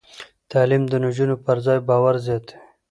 تعلیم د نجونو پر ځان باور زیاتوي.